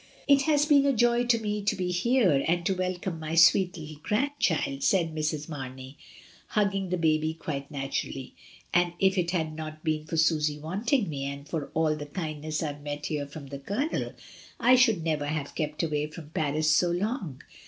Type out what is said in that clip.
"It has been a joy to me to be here, and to welcome my sweet little grandchild," said Mrs. Mar ney, hugging the baby quite naturally; "and if it had not been for Susy wanting me, and for all the kindness Tve met here from the Colonel, I should never have kept away from Paris so long.